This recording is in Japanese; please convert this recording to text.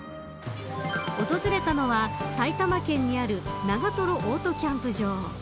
訪れたのは埼玉県にある長瀞オートキャンプ場。